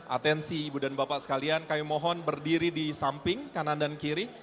atensi ibu dan bapak sekalian kami mohon berdiri di samping kanan dan kiri